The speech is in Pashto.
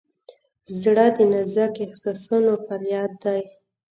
زړه د نازک احساسونو فریاد دی.